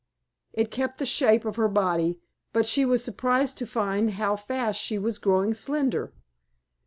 It kept the shape of her body, but she was surprised to find how fast she was growing slender.